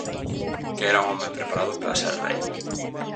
Que era un home preparado para ser rei.